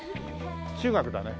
中学だね。